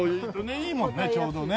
いいもんねちょうどね。